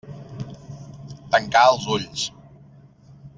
Tancà els ulls.